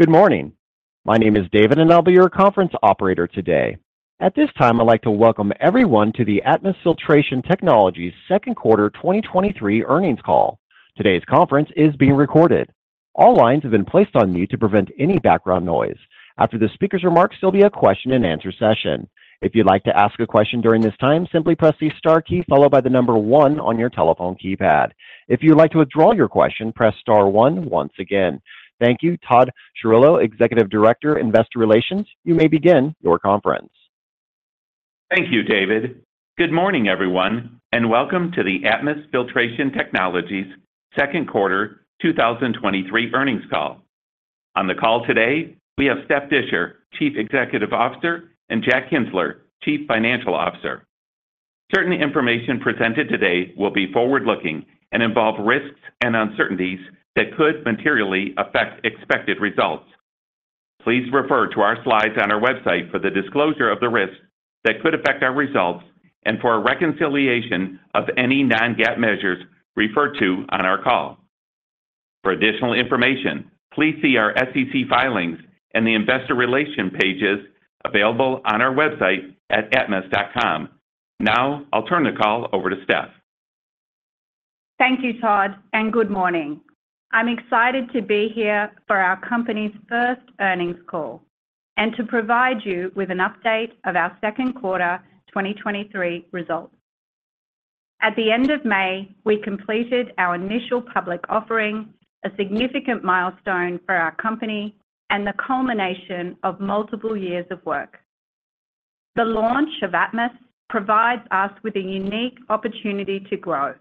Good morning. My name is David, and I'll be your conference operator today. At this time, I'd like to welcome everyone to the Atmus Filtration Technologies second quarter 2023 earnings call. Today's conference is being recorded. All lines have been placed on mute to prevent any background noise. After the speaker's remarks, there'll be a question-and-answer session. If you'd like to ask a question during this time, simply press the star key followed by the number one on your telephone keypad. If you'd like to withdraw your question, press star one once again. Thank you, Todd Chirillo, Executive Director, Investor Relations. You may begin your conference. Thank you, David. Good morning, everyone, and welcome to the Atmus Filtration Technologies second quarter 2023 earnings call. On the call today, we have Stephanie Disher, Chief Executive Officer, and Jack Kienzler, Chief Financial Officer. Certain information presented today will be forward-looking and involve risks and uncertainties that could materially affect expected results. Please refer to our slides on our website for the disclosure of the risks that could affect our results and for a reconciliation of any non-GAAP measures referred to on our call. For additional information, please see our SEC filings and the Investor Relation pages available on our website at atmus.com. Now, I'll turn the call over to Steph. Thank you, Todd, and good morning. I'm excited to be here for our company's first earnings call and to provide you with an update of our second quarter 2023 results. At the end of May, we completed our initial public offering, a significant milestone for our company and the culmination of multiple years of work. The launch of Atmus provides us with a unique opportunity to grow,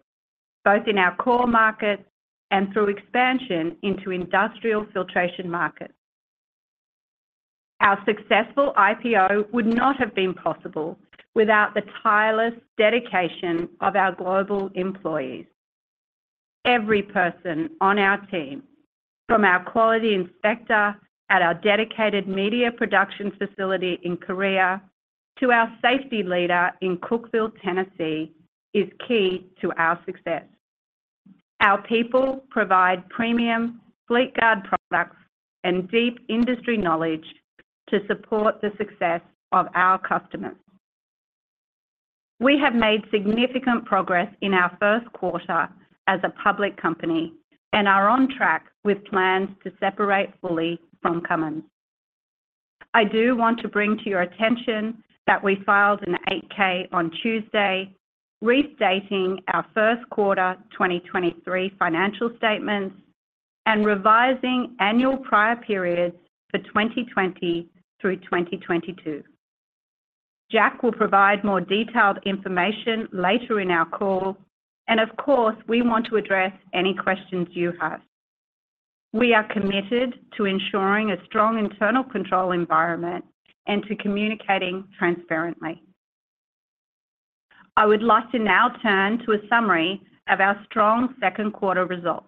both in our core markets and through expansion into industrial filtration markets. Our successful IPO would not have been possible without the tireless dedication of our global employees. Every person on our team, from our quality inspector at our dedicated media production facility in Korea to our safety leader in Cookeville, Tennessee, is key to our success. Our people provide premium Fleetguard products and deep industry knowledge to support the success of our customers. We have made significant progress in our first quarter as a public company and are on track with plans to separate fully from Cummins. I do want to bring to your attention that we filed an 8-K on Tuesday, restating our first quarter 2023 financial statements and revising annual prior periods for 2020-2022. Jack will provide more detailed information later in our call. Of course, we want to address any questions you have. We are committed to ensuring a strong internal control environment and to communicating transparently. I would like to now turn to a summary of our strong second quarter results.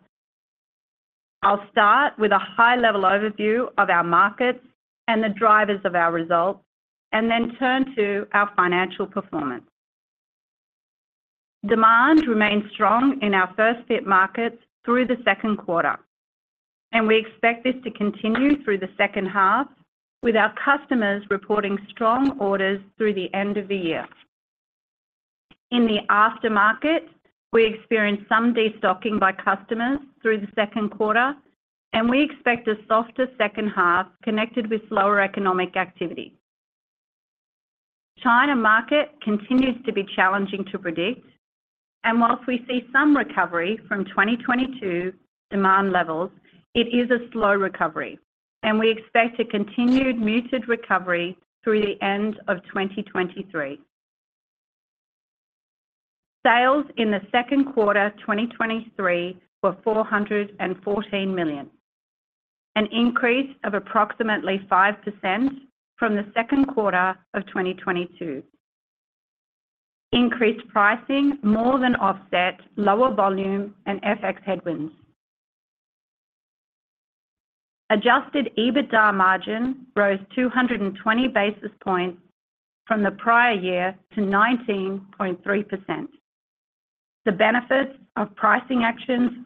I'll start with a high-level overview of our markets and the drivers of our results, and then turn to our financial performance. Demand remained strong in our first fit markets through the second quarter, and we expect this to continue through the second half, with our customers reporting strong orders through the end of the year. In the aftermarket, we experienced some destocking by customers through the second quarter, and we expect a softer second half connected with slower economic activity. China market continues to be challenging to predict, and whilst we see some recovery from 2022 demand levels, it is a slow recovery, and we expect a continued muted recovery through the end of 2023. Sales in the second quarter 2023 were $414 million, an increase of approximately 5% from the second quarter of 2022. Increased pricing more than offset lower volume and FX headwinds. Adjusted EBITDA margin rose 220 basis points from the prior year to 19.3%. The benefits of pricing actions,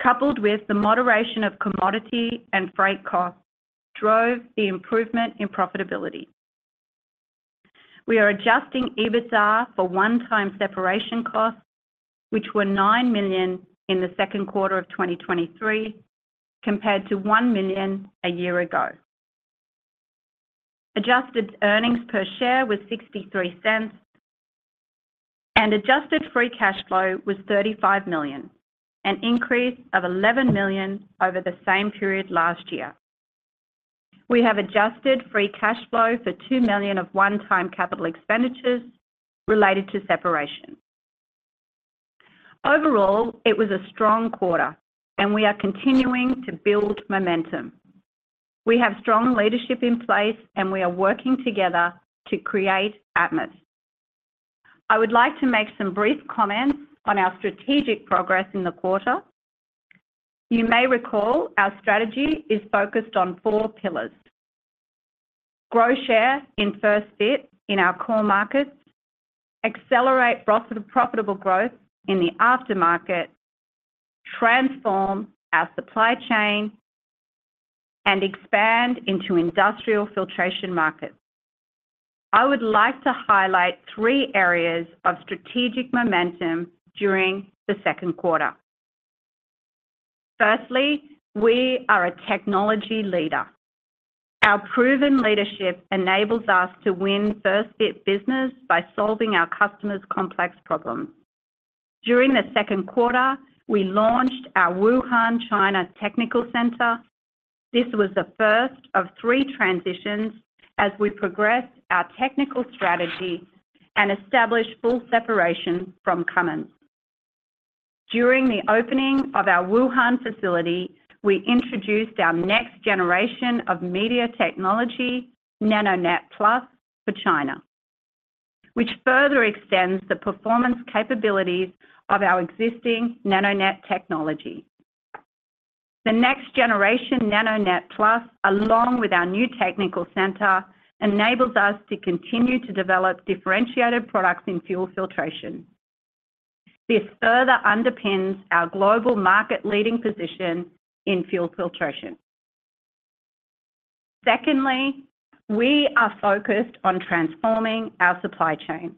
coupled with the moderation of commodity and freight costs, drove the improvement in profitability. We are adjusting EBITDA for one-time separation costs, which were $9 million in the second quarter of 2023, compared to $1 million a year ago. Adjusted earnings per share was $0.63, and adjusted free cash flow was $35 million, an increase of $11 million over the same period last year. We have adjusted free cash flow for $2 million of one-time capital expenditures related to separation. Overall, it was a strong quarter, and we are continuing to build momentum. We have strong leadership in place, and we are working together to create Atmus. I would like to make some brief comments on our strategic progress in the quarter. You may recall our strategy is focused on four pillars: Grow share in first fit in our core markets, accelerate profit, profitable growth in the aftermarket, transform our supply chain, and expand into industrial filtration markets. I would like to highlight three areas of strategic momentum during the second quarter. Firstly, we are a technology leader. Our proven leadership enables us to win first fit business by solving our customers' complex problems. During the second quarter, we launched our Wuhan China Technical Center. This was the first of three transitions as we progressed our technical strategy and established full separation from Cummins. During the opening of our Wuhan facility, we introduced our next generation of media technology, NanoNet Plus, for China, which further extends the performance capabilities of our existing NanoNet technology. The next generation, NanoNet+, along with our new technical center, enables us to continue to develop differentiated products in fuel filtration. This further underpins our global market leading position in fuel filtration. Secondly, we are focused on transforming our supply chain.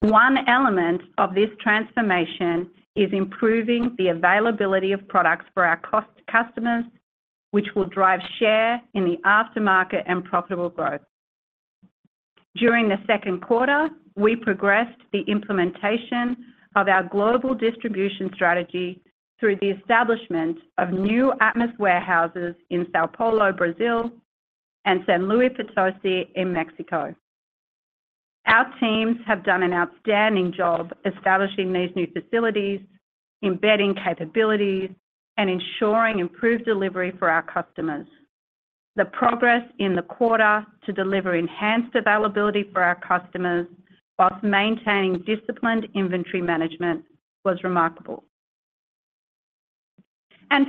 One element of this transformation is improving the availability of products for our cost- customers, which will drive share in the aftermarket and profitable growth. During the second quarter, we progressed the implementation of our global distribution strategy through the establishment of new Atmus warehouses in São Paulo, Brazil, and San Luis Potosí in Mexico. Our teams have done an outstanding job establishing these new facilities, embedding capabilities, and ensuring improved delivery for our customers. The progress in the quarter to deliver enhanced availability for our customers while maintaining disciplined inventory management was remarkable.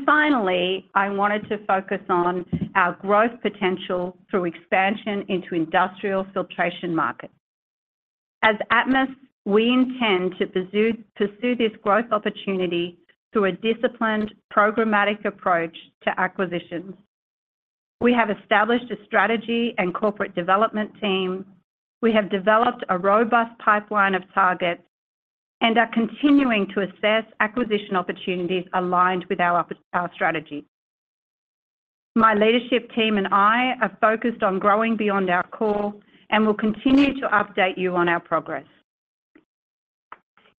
Finally, I wanted to focus on our growth potential through expansion into industrial filtration markets. As Atmus, we intend to pursue this growth opportunity through a disciplined, programmatic approach to acquisitions. We have established a strategy and corporate development team. We have developed a robust pipeline of targets and are continuing to assess acquisition opportunities aligned with our strategy. My leadership team and I are focused on growing beyond our core and will continue to update you on our progress.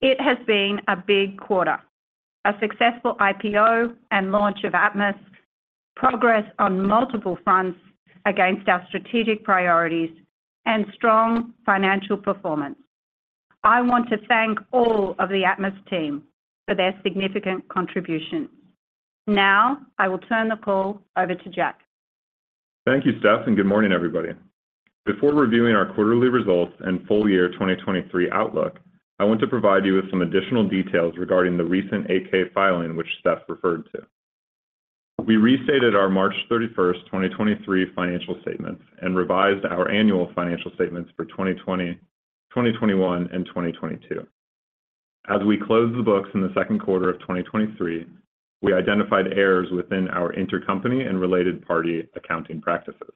It has been a big quarter, a successful IPO and launch of Atmus, progress on multiple fronts against our strategic priorities, and strong financial performance. I want to thank all of the Atmus team for their significant contributions. Now, I will turn the call over to Jack. Thank you, Steph. Good morning, everybody. Before reviewing our quarterly results and full year 2023 outlook, I want to provide you with some additional details regarding the recent 8-K filing, which Steph referred to. We restated our March 31st, 2023 financial statements and revised our annual financial statements for 2020, 2021, and 2022. As we closed the books in the second quarter of 2023, we identified errors within our intercompany and related party accounting practices.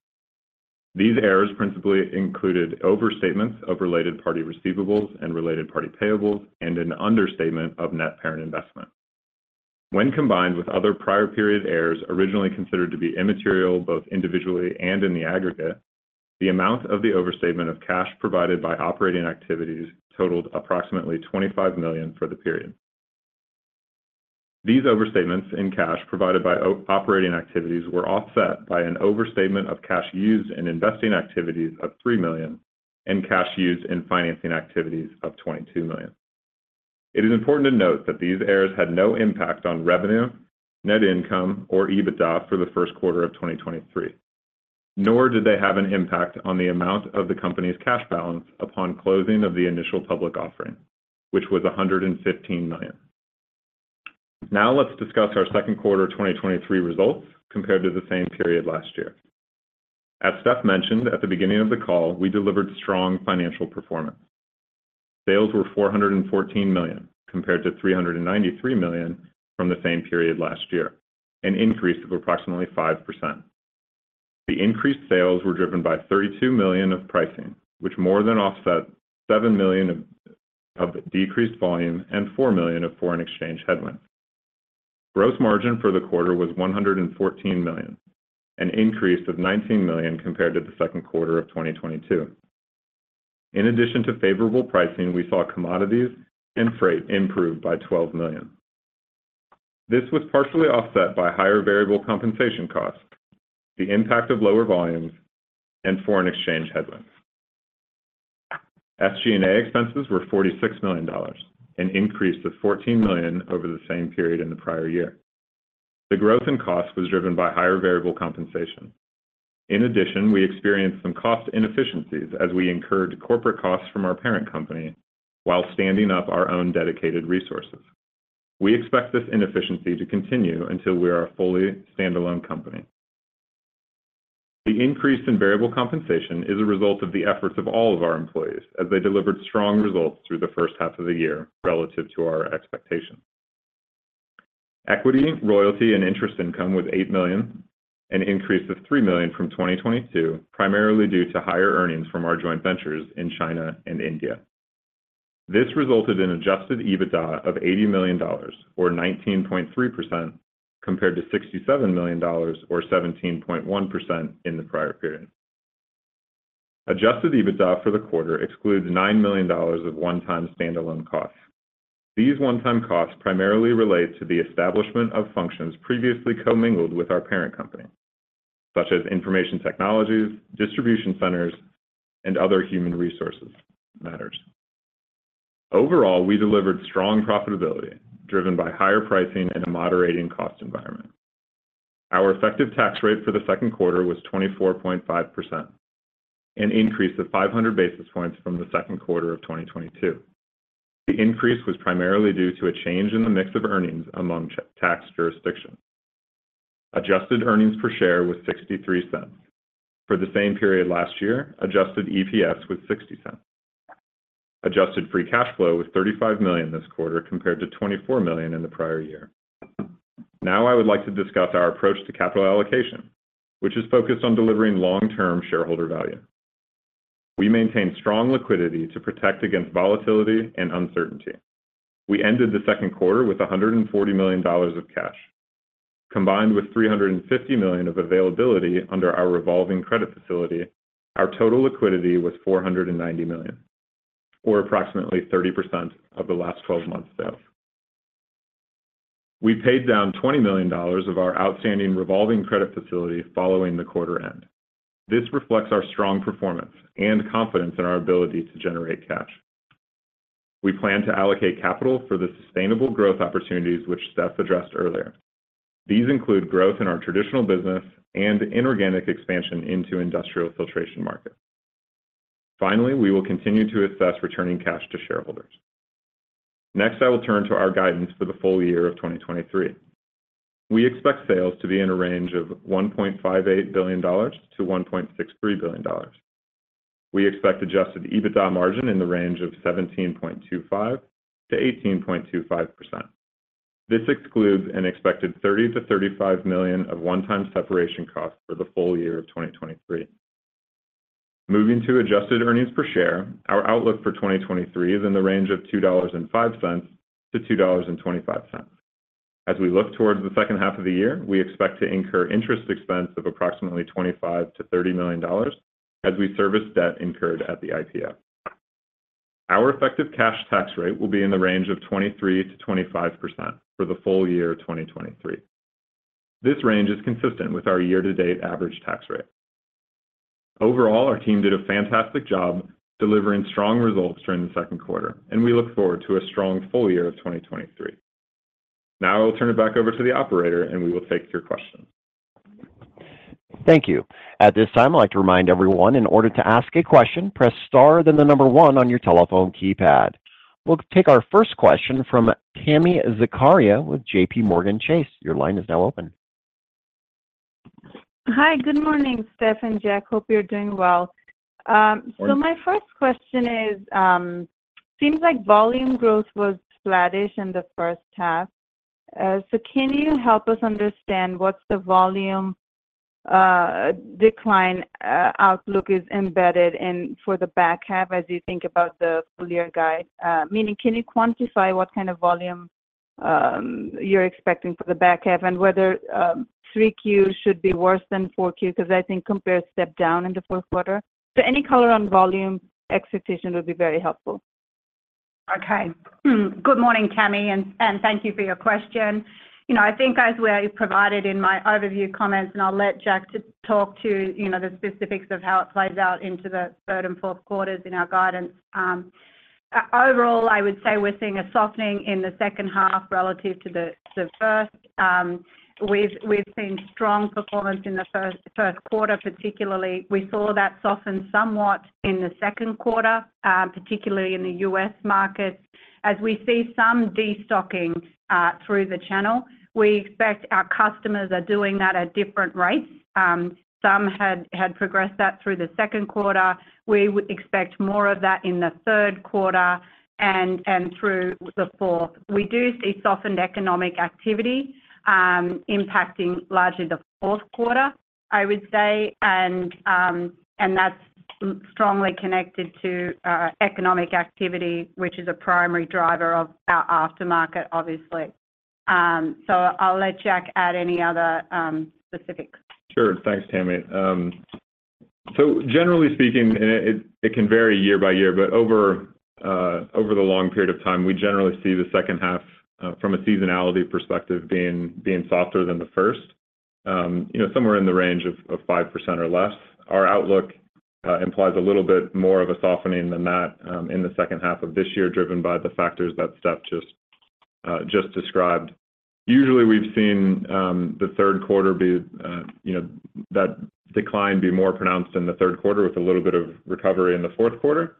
These errors principally included overstatements of related party receivables and related party payables, and an understatement of net parent investment. When combined with other prior period errors originally considered to be immaterial, both individually and in the aggregate, the amount of the overstatement of cash provided by operating activities totaled approximately $25 million for the period. These overstatements in cash provided by operating activities were offset by an overstatement of cash used in investing activities of $3 million and cash used in financing activities of $22 million. It is important to note that these errors had no impact on revenue, net income, or EBITDA for the first quarter of 2023, nor did they have an impact on the amount of the company's cash balance upon closing of the initial public offering, which was $115 million. Let's discuss our second quarter 2023 results compared to the same period last year. As Steph mentioned at the beginning of the call, we delivered strong financial performance. Sales were $414 million, compared to $393 million from the same period last year, an increase of approximately 5%. The increased sales were driven by $32 million of pricing, which more than offset $7 million of, of decreased volume and $4 million of foreign exchange headwind. Gross margin for the quarter was $114 million, an increase of $19 million compared to the second quarter of 2022. In addition to favorable pricing, we saw commodities and freight improve by $12 million. This was partially offset by higher variable compensation costs, the impact of lower volumes, and foreign exchange headwinds. SG&A expenses were $46 million, an increase of $14 million over the same period in the prior year. The growth in cost was driven by higher variable compensation. In addition, we experienced some cost inefficiencies as we incurred corporate costs from our parent company while standing up our own dedicated resources. We expect this inefficiency to continue until we are a fully standalone company. The increase in variable compensation is a result of the efforts of all of our employees, as they delivered strong results through the first half of the year relative to our expectations. Equity, royalty, and interest income was $8 million, an increase of $3 million from 2022, primarily due to higher earnings from our joint ventures in China and India. This resulted in adjusted EBITDA of $80 million, or 19.3% compared to $67 million, or 17.1% in the prior period. Adjusted EBITDA for the quarter excludes $9 million of one-time standalone costs. These one-time costs primarily relate to the establishment of functions previously commingled with our parent company, such as information technologies, distribution centers, and other human resources matters. Overall, we delivered strong profitability, driven by higher pricing and a moderating cost environment. Our effective tax rate for the second quarter was 24.5%, an increase of 500 basis points from the second quarter of 2022. The increase was primarily due to a change in the mix of earnings among tax jurisdictions. Adjusted earnings per share was $0.63. For the same period last year, adjusted EPS was $0.60. Adjusted free cash flow was $35 million this quarter, compared to $24 million in the prior year. I would like to discuss our approach to capital allocation, which is focused on delivering long-term shareholder value. We maintain strong liquidity to protect against volatility and uncertainty. We ended the second quarter with $140 million of cash. Combined with $350 million of availability under our revolving credit facility, our total liquidity was $490 million, or approximately 30% of the last 12 months' sales. We paid down $20 million of our outstanding revolving credit facility following the quarter end. This reflects our strong performance and confidence in our ability to generate cash. We plan to allocate capital for the sustainable growth opportunities, which Steph addressed earlier. These include growth in our traditional business and inorganic expansion into industrial filtration markets. Finally, we will continue to assess returning cash to shareholders. Next, I will turn to our guidance for the full year of 2023. We expect sales to be in a range of $1.58 billion-$1.63 billion. We expect adjusted EBITDA margin in the range of 17.25%-18.25%. This excludes an expected $30 million-$35 million of one-time separation costs for the full year of 2023. Moving to adjusted earnings per share, our outlook for 2023 is in the range of $2.05-$2.25. As we look towards the second half of the year, we expect to incur interest expense of approximately $25 million-$30 million as we service debt incurred at the IPO. Our effective cash tax rate will be in the range of 23%-25% for the full year of 2023. This range is consistent with our year-to-date average tax rate. Overall, our team did a fantastic job delivering strong results during the second quarter, and we look forward to a strong full year of 2023. Now, I will turn it back over to the operator, and we will take your questions. Thank you. At this time, I'd like to remind everyone, in order to ask a question, press star, then the number one on your telephone keypad. We'll take our first question from Tami Zakaria with JPMorgan. Your line is now open. Hi, good morning, Steph and Jack. Hope you're doing well. My first question is, seems like volume growth was flattish in the first half. Can you help us understand what's the volume decline outlook is embedded in for the back half as you think about the full year guide? Meaning, can you quantify what kind of volume you're expecting for the back half, and whether 3Q should be worse than 4Q? I think compares step down in the fourth quarter. Any color on volume execution would be very helpful. Okay. Good morning, Tami, and, and thank you for your question. You know, I think as we provided in my overview comments, and I'll let Jack to talk to, you know, the specifics of how it plays out into the 3rd and 4th quarters in our guidance. Overall, I would say we're seeing a softening in the 2nd half relative to the, the 1st. We've, we've seen strong performance in the 1st, 1st quarter particularly. We saw that soften somewhat in the 2nd quarter, particularly in the U.S. market. As we see some destocking through the channel, we expect our customers are doing that at different rates. Some had, had progressed that through the 2nd quarter. We would expect more of that in the 3rd quarter and, and through the 4th. We do see softened economic activity, impacting largely the fourth quarter, I would say. That's strongly connected to economic activity, which is a primary driver of our aftermarket, obviously. I'll let Jack add any other specifics. Sure. Thanks, Tami. Generally speaking, and it, it, it can vary year by year, but over, over the long period of time, we generally see the second half from a seasonality perspective, being, being softer than the first. You know, somewhere in the range of 5% or less. Our outlook implies a little bit more of a softening than that in the second half of this year, driven by the factors that Steph just described. Usually, we've seen the third quarter be, you know, that decline be more pronounced in the third quarter with a little bit of recovery in the fourth quarter.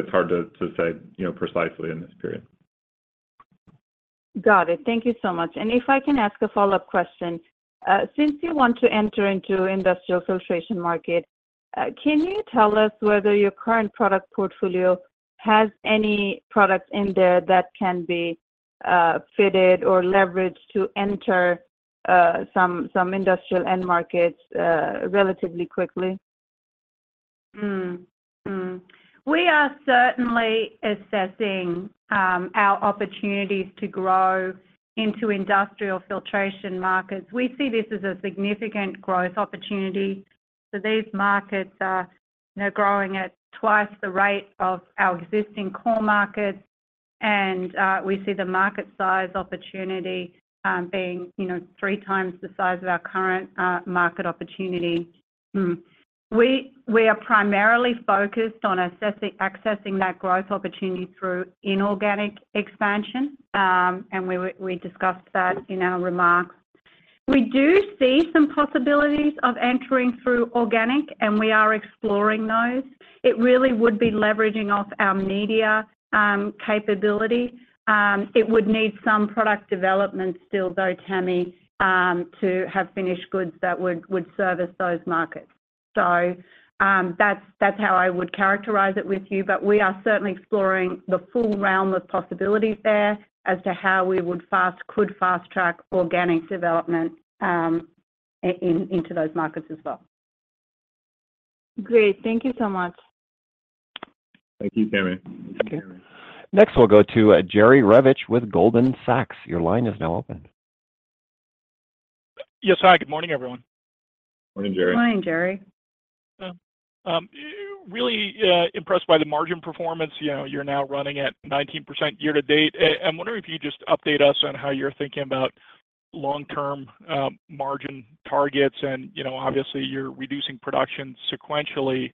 It's hard to, to say, you know, precisely in this period. Got it. Thank you so much. If I can ask a follow-up question. Since you want to enter into industrial filtration market, can you tell us whether your current product portfolio has any products in there that can be fitted or leveraged to enter some, some industrial end markets relatively quickly? We are certainly assessing our opportunities to grow into industrial filtration markets. We see this as a significant growth opportunity. These markets are, you know, growing at 2x the rate of our existing core markets, and we see the market size opportunity being, you know, 3x the size of our current market opportunity. We, we are primarily focused on accessing that growth opportunity through inorganic expansion, and we discussed that in our remarks. We do see some possibilities of entering through organic, and we are exploring those. It really would be leveraging off our media capability. It would need some product development still, though, Tami, to have finished goods that would, would service those markets. That's, that's how I would characterize it with you, but we are certainly exploring the full realm of possibilities there as to how we could fast-track organic development into those markets as well. Great. Thank you so much. Thank you, Tami. Thank you. Next, we'll go to Jerry Revich with Goldman Sachs. Your line is now open. Yes. Hi, good morning, everyone. Morning, Jerry. Morning, Jerry. really impressed by the margin performance. You know, you're now running at 19% year to date. I'm wondering if you could just update us on how you're thinking about long-term margin targets. You know, obviously, you're reducing production sequentially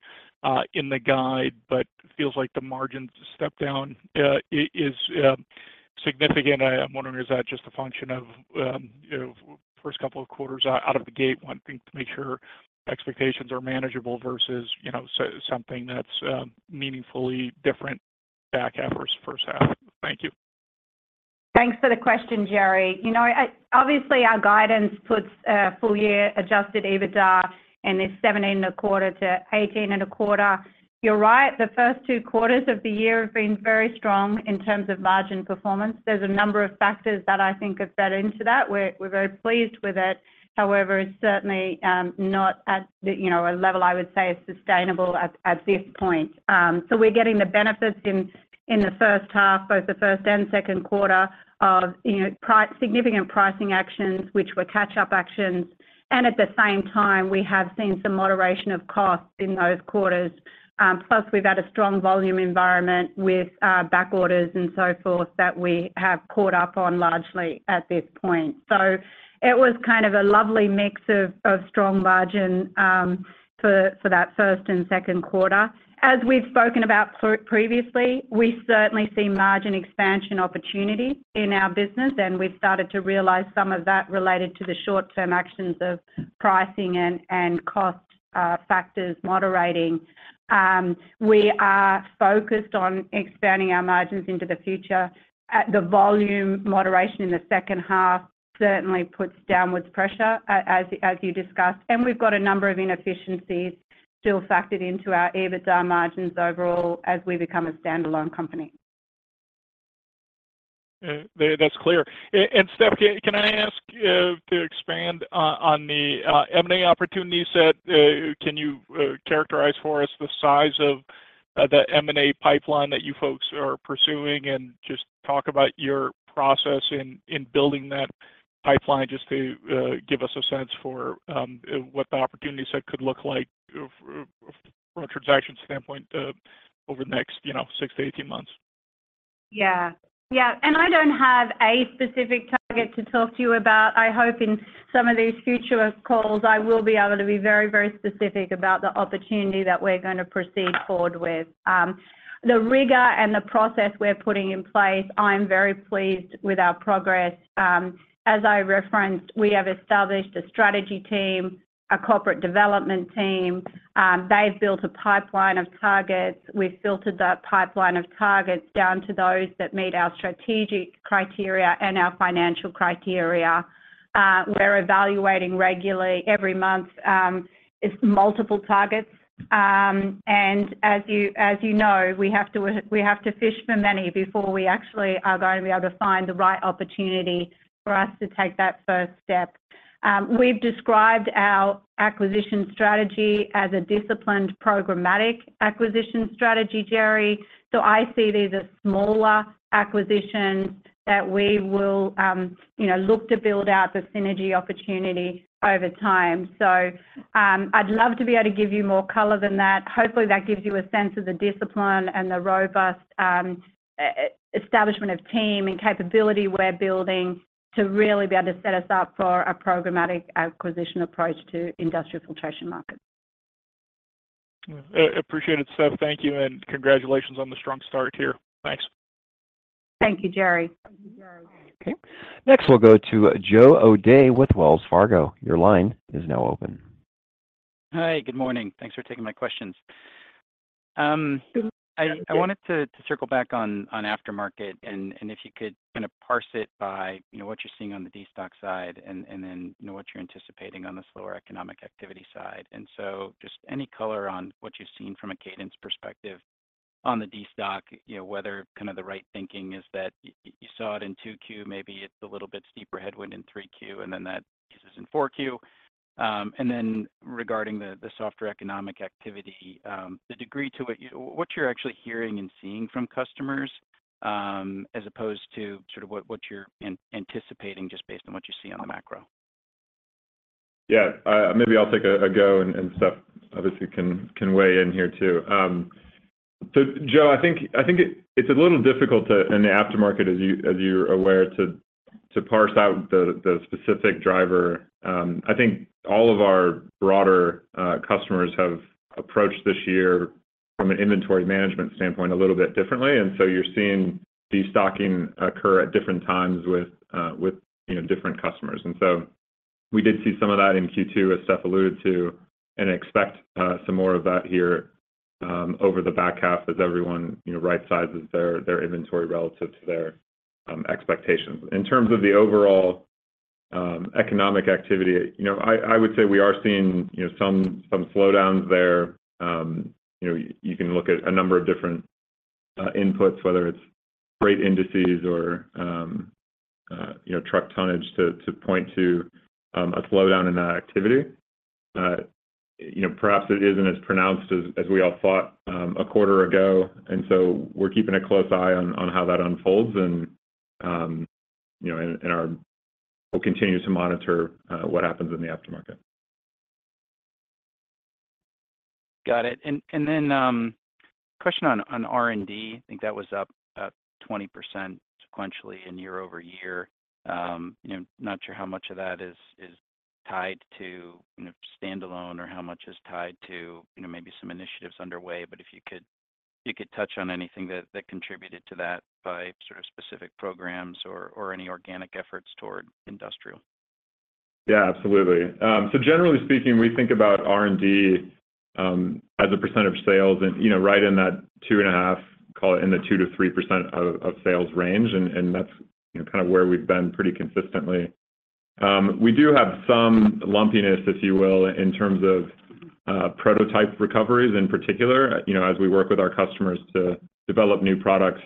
in the guide, but it feels like the margin step down is significant. I'm wondering, is that just a function of, you know, first couple of quarters out, out of the gate, wanting to make sure expectations are manageable versus, you know, so something that's meaningfully different back half versus first half? Thank you. Thanks for the question, Jerry. You know, obviously, our guidance puts full-year adjusted EBITDA in this $17.25-$18.25. You're right, the first two quarters of the year have been very strong in terms of margin performance. There's a number of factors that I think have fed into that. We're, we're very pleased with it, however, it's certainly not at the, you know, a level I would say is sustainable at, at this point. We're getting the benefits in, in the first half, both the first and second quarter of, you know, significant pricing actions, which were catch-up actions, and at the same time, we have seen some moderation of costs in those quarters. Plus, we've had a strong volume environment with back orders and so forth, that we have caught up on largely at this point. So it was kind of a lovely mix of, of strong margin, for, for that first and second quarter. As we've spoken about previously, we certainly see margin expansion opportunities in our business, and we've started to realize some of that related to the short-term actions of pricing and cost factors moderating. We are focused on expanding our margins into the future. At the volume moderation in the second half, certainly puts downwards pressure, as, as you discussed, and we've got a number of inefficiencies still factored into our EBITDA margins overall, as we become a standalone company. Th- that's clear. Steph, can, can I ask to expand o- on the M&A opportunity set? Can you characterize for us the size of the M&A pipeline that you folks are pursuing, and just talk about your process in, in building that pipeline, just to give us a sense for what the opportunity set could look like of, of from a transaction standpoint, over the next, you know, 6 to 18 months? Yeah. Yeah, and I don't have a specific target to talk to you about. I hope in some of these future calls, I will be able to be very, very specific about the opportunity that we're gonna proceed forward with. The rigor and the process we're putting in place, I'm very pleased with our progress. As I referenced, we have established a strategy team, a corporate development team. They've built a pipeline of targets. We've filtered that pipeline of targets down to those that meet our strategic criteria and our financial criteria. We're evaluating regularly, every month, it's multiple targets. As you, as you know, we have to, we have to fish for many before we actually are going to be able to find the right opportunity for us to take that first step. We've described our acquisition strategy as a disciplined programmatic acquisition strategy, Jerry. I see these as smaller acquisitions that we will, you know, look to build out the synergy opportunity over time. I'd love to be able to give you more color than that. Hopefully, that gives you a sense of the discipline and the robust establishment of team and capability we're building to really be able to set us up for a programmatic acquisition approach to industrial filtration markets. Yeah, appreciate it, Steph. Thank you, and congratulations on the strong start here. Thanks. Thank you, Jerry. Okay, next we'll go to Joe O'Dea with Wells Fargo. Your line is now open. Hi, good morning. Thanks for taking my questions. I, I wanted to, to circle back on, on aftermarket, and, and if you could kind of parse it by, you know, what you're seeing on the destock side, and, and then, you know, what you're anticipating on the slower economic activity side. And so just any color on what you've seen from a cadence perspective on the destock, you know, whether kind of the right thinking is that you saw it in 2Q, maybe it's a little bit steeper headwind in 3Q, and then that eases in 4Q. And then regarding the, the softer economic activity, the degree to which what you're actually hearing and seeing from customers, as opposed to sort of what, what you're anticipating, just based on what you see on the macro? Yeah, maybe I'll take a, a go, and Steph, obviously, can, can weigh in here, too. Joe, I think, I think it, it's a little difficult to... In the aftermarket, as you, as you're aware, to, to parse out the, the specific driver. I think all of our broader customers have approached this year from an inventory management standpoint a little bit differently, and you're seeing destocking occur at different times with, with, you know, different customers. We did see some of that in Q2, as Steph alluded to, and expect some more of that here, over the back half as everyone, you know, right sizes their, their inventory relative to their expectations. In terms of the overall economic activity, you know, I, I would say we are seeing, you know, some, some slowdowns there. You know, you can look at a number of different inputs, whether it's rate indices or, you know, truck tonnage to, to point to a slowdown in that activity. You know, perhaps it isn't as pronounced as, as we all thought, a quarter ago, and so we're keeping a close eye on, on how that unfolds. You know, we'll continue to monitor what happens in the aftermarket. Got it. Then, question on, on R&D. I think that was up, up 20% sequentially and year-over-year. You know, not sure how much of that is, is tied to, you know, standalone or how much is tied to, you know, maybe some initiatives underway, but if you could, you could touch on anything that, that contributed to that by sort of specific programs or, or any organic efforts toward industrial. Yeah, absolutely. Generally speaking, we think about R&D as a % of sales and, you know, right in that 2.5, call it in the 2%-3% of sales range, and that's, you know, kind of where we've been pretty consistently. We do have some lumpiness, if you will, in terms of prototype recoveries in particular. You know, as we work with our customers to develop new products,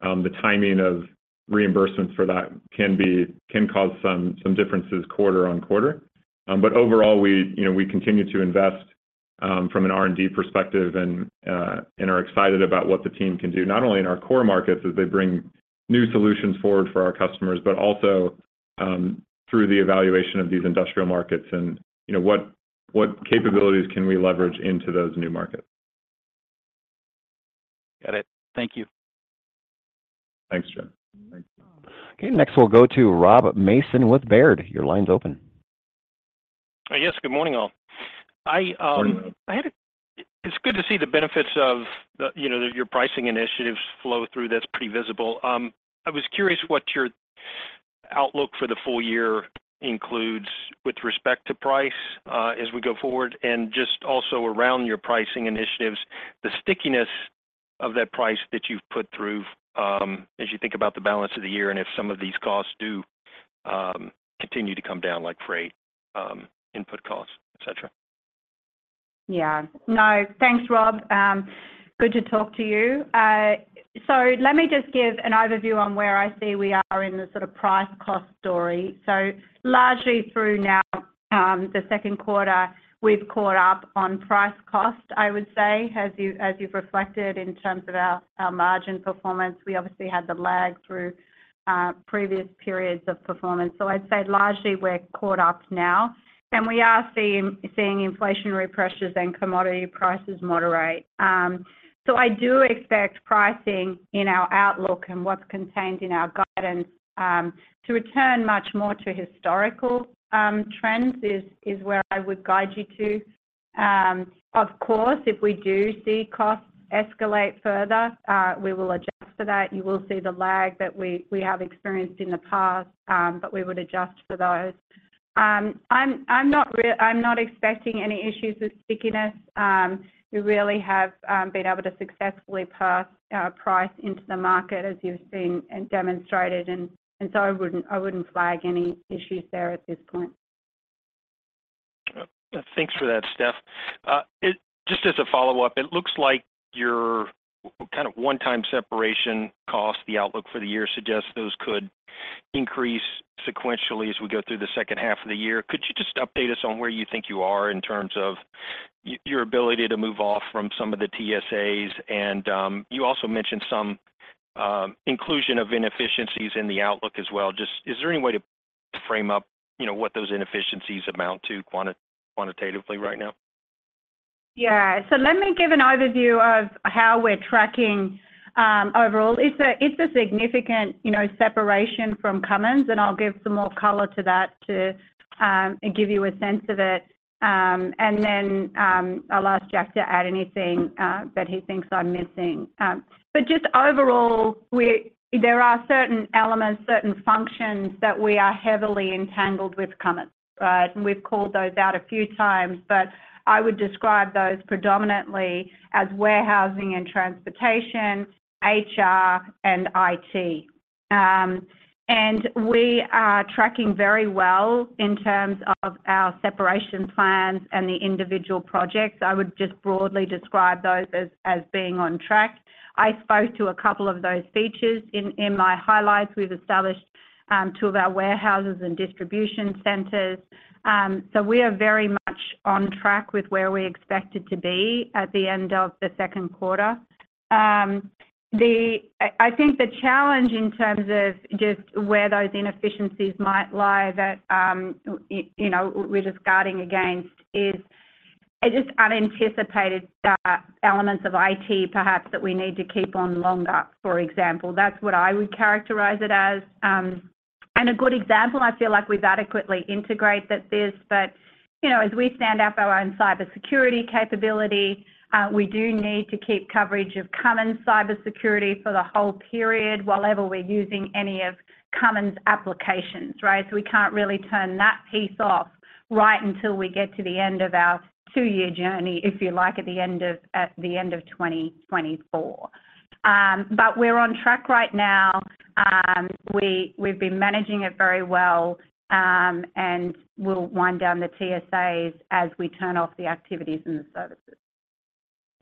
the timing of reimbursements for that can be can cause some differences quarter-on-quarter. Overall, we, you know, we continue to invest, from an R&D perspective and are excited about what the team can do, not only in our core markets, as they bring new solutions forward for our customers, but also, through the evaluation of these industrial markets and, you know, what, what capabilities can we leverage into those new markets? Got it. Thank you. Thanks, Joe. Okay, next we'll go to Rob Mason with Baird. Your line's open. Yes, good morning, all. I. Good morning, Rob. It's good to see the benefits of the, you know, your pricing initiatives flow through. That's pretty visible. I was curious what your outlook for the full year includes with respect to price as we go forward, and just also around your pricing initiatives, the stickiness of that price that you've put through, as you think about the balance of the year, and if some of these costs do continue to come down, like freight, input costs, et cetera. Yeah. No, thanks, Rob. Good to talk to you. Let me just give an overview on where I see we are in the sort of price, cost story. Largely through now, the second quarter, we've caught up on price cost, I would say. As you, as you've reflected in terms of our, our margin performance, we obviously had the lag through previous periods of performance. I'd say largely we're caught up now, and we are seeing, seeing inflationary pressures and commodity prices moderate. I do expect pricing in our outlook and what's contained in our guidance to return much more to historical trends is, is where I would guide you to. Of course, if we do see costs escalate further, we will adjust for that. You will see the lag that we, we have experienced in the past, but we would adjust for those. I'm, I'm not expecting any issues with stickiness. We really have been able to successfully pass our price into the market as you've seen and demonstrated, and so I wouldn't, I wouldn't flag any issues there at this point. Thanks for that, Steph. It just as a follow-up, it looks like your kind of one-time separation cost, the outlook for the year suggests those could increase sequentially as we go through the second half of the year. Could you just update us on where you think you are in terms of your ability to move off from some of the TSAs? You also mentioned some inclusion of inefficiencies in the outlook as well. Just, is there any way to frame up, you know, what those inefficiencies amount to quantitatively right now? Yeah, let me give an overview of how we're tracking, overall. It's a, it's a significant, you know, separation from Cummins, and I'll give some more color to that to, and give you a sense of it. I'll ask Jack to add anything that he thinks I'm missing. Just overall, we-- there are certain elements, certain functions, that we are heavily entangled with Cummins, right. We've called those out a few times, but I would describe those predominantly as warehousing and transportation, HR, and IT. We are tracking very well in terms of our separation plans and the individual projects. I would just broadly describe those as, as being on track. I spoke to a couple of those features in, in my highlights. We've established, two of our warehouses and distribution centers. We are very much on track with where we expected to be at the end of the second quarter. The... I, I think the challenge in terms of just where those inefficiencies might lie that, you know, we're just guarding against, is just unanticipated elements of IT, perhaps, that we need to keep on longer, for example. That's what I would characterize it as. A good example, I feel like we've adequately integrated this, but, you know, as we stand up our own cybersecurity capability, we do need to keep coverage of Cummins cybersecurity for the whole period, wherever we're using any of Cummins' applications, right? We can't really turn that piece off right until we get to the end of our two-year journey, if you like, at the end of, at the end of 2024. We're on track right now. We, we've been managing it very well, and we'll wind down the TSAs as we turn off the activities and the services.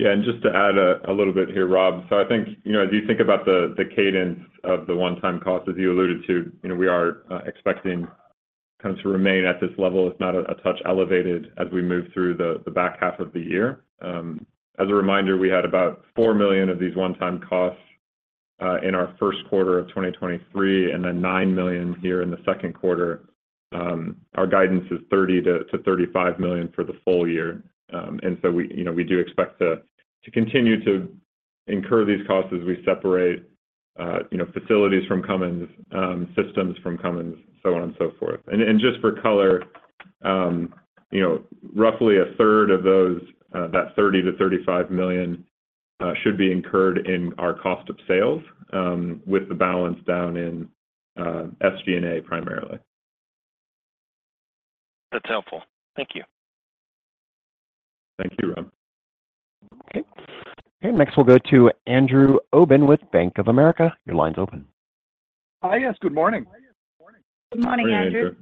Yeah, and just to add a little bit here, Rob. So I think, you know, as you think about the cadence of the one-time costs, as you alluded to, you know, we are expecting them to remain at this level, if not a touch elevated, as we move through the back half of the year. As a reminder, we had about $4 million of these one-time costs in our first quarter of 2023, and then $9 million here in the second quarter. Our guidance is $30 million-$35 million for the full year. And so we, you know, we do expect to continue to incur these costs as we separate, you know, facilities from Cummins, systems from Cummins, so on and so forth. And just for color, you know, roughly a third of those, that $30 million-$35 million should be incurred in our cost of sales, with the balance down in SG&A, primarily. That's helpful. Thank you. Thank you, Rob. Okay. Next, we'll go to Andrew Obin with Bank of America. Your line's open. Hi, yes, good morning. Good morning, Andrew. Hey, Andrew.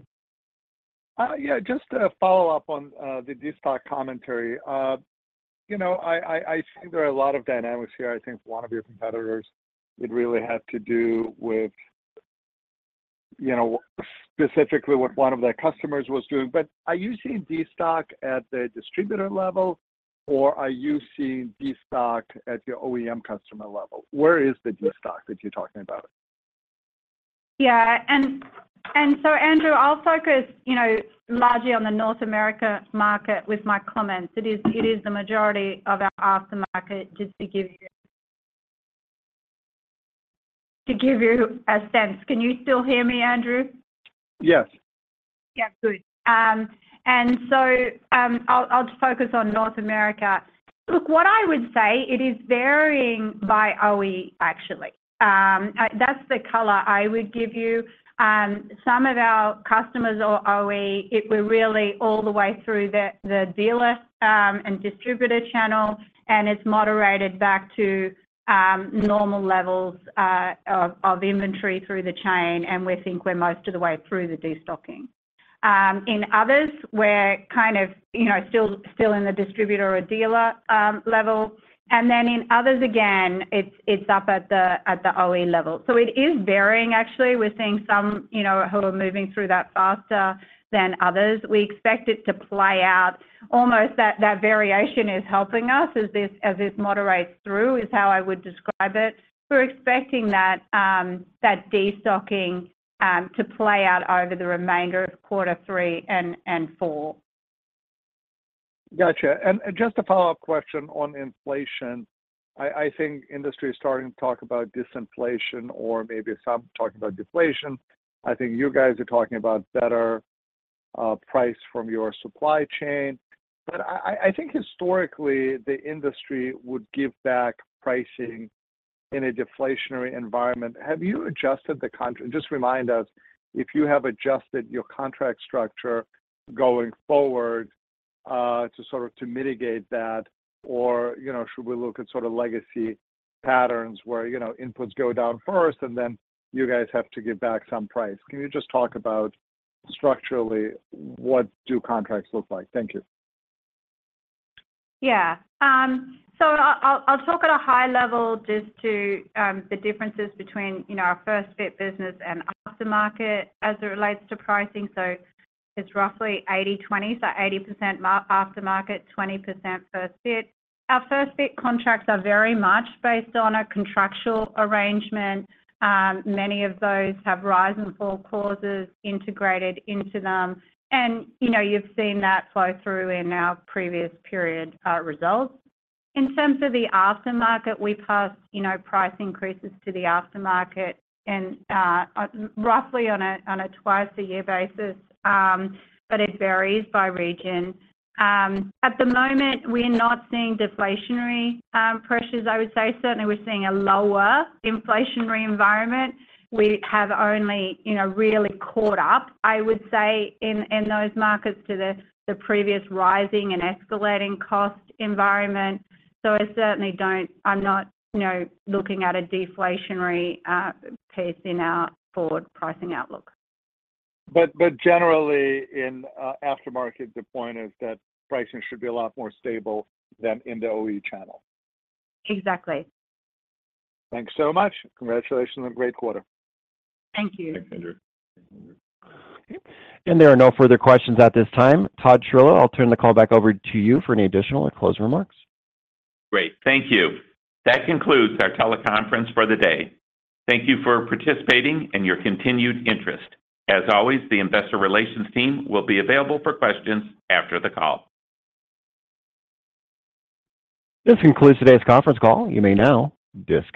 Yeah, just to follow up on, the destock commentary. You know, I, I, I think there are a lot of dynamics here. I think one of your competitors, it really had to do with, you know, specifically what one of their customers was doing. Are you seeing destock at the distributor level, or are you seeing destock at your OEM customer level? Where is the destock that you're talking about? Andrew, I'll focus, you know, largely on the North America market with my comments. It is, it is the majority of our aftermarket, just to give you. To give you a sense. Can you still hear me, Andrew? Yes. Yeah, good. I'll just focus on North America. Look, what I would say, it is varying by OE, actually. That's the color I would give you. Some of our customers or OE, it was really all the way through the, the dealer and distributor channel, and it's moderated back to normal levels of inventory through the chain, and we think we're most of the way through the destocking. In others, we're kind of, you know, still in the distributor or dealer level. In others, again, it's up at the OE level. It is varying actually. We're seeing some, you know, who are moving through that faster than others. We expect it to play out, almost that, that variation is helping us as this, as this moderates through, is how I would describe it. We're expecting that, that destocking, to play out over the remainder of quarter three and, and four. Gotcha. Just a follow-up question on inflation. I, I think industry is starting to talk about disinflation or maybe some talking about deflation. I think you guys are talking about better price from your supply chain. I, I, I think historically, the industry would give back pricing in a deflationary environment. Have you adjusted the contract-- Just remind us if you have adjusted your contract structure going forward, to sort of, to mitigate that? You know, should we look at sort of legacy patterns where, you know, inputs go down first, and then you guys have to give back some price? Can you just talk about, structurally, what do contracts look like? Thank you. Yeah. I'll, I'll talk at a high level just to the differences between, you know, our first-fit business and aftermarket as it relates to pricing. It's roughly 80/20, so 80% aftermarket, 20% first-fit. Our first-fit contracts are very much based on a contractual arrangement. Many of those have rise and fall clauses integrated into them, you know, you've seen that flow through in our previous period results. In terms of the aftermarket, we pass, you know, price increases to the aftermarket roughly on a twice-a-year basis, but it varies by region. At the moment, we're not seeing deflationary pressures, I would say. Certainly, we're seeing a lower inflationary environment. We have only, you know, really caught up, I would say, in, in those markets to the, the previous rising and escalating cost environment. I certainly I'm not, you know, looking at a deflationary piece in our forward pricing outlook. But generally, in aftermarket, the point is that pricing should be a lot more stable than in the OE channel. Exactly. Thanks so much. Congratulations on a great quarter. Thank you. Thanks, Andrew. Okay. There are no further questions at this time. Todd Chirillo, I'll turn the call back over to you for any additional or closing remarks. Great. Thank you. That concludes our teleconference for the day. Thank you for participating and your continued interest. As always, the investor relations team will be available for questions after the call. This concludes today's conference call. You may now disconnect.